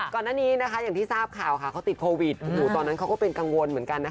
ก่อนหน้านี้อย่างที่ทราบข่าวเขาติดโควิดตอนนั้นเขาก็เป็นกังวลเหมือนกัน